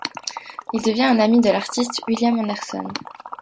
Il devient un ami de l'artiste William Anderson.